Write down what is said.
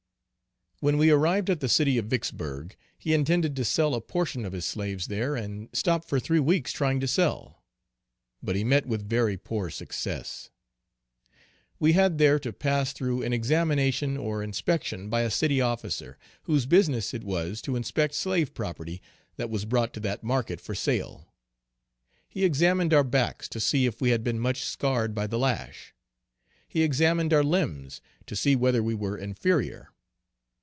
_ When we arrived at the city of Vicksburg, he intended to sell a portion of his slaves there, and stopped for three weeks trying to sell. But he met with very poor success. We had there to pass through an examination or inspection by a city officer, whose business it was to inspect slave property that was brought to that market for sale. He examined our backs to see if we had been much scarred by the lash. He examined our limbs, to see whether we were inferior.